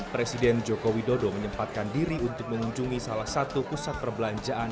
presiden joko widodo menyempatkan diri untuk mengunjungi salah satu pusat perbelanjaan